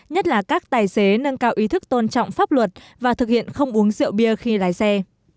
nhất là các tài xế nâng cao ý thức tôn trọng pháp luật và thực hiện không uống rượu bia khi lái xe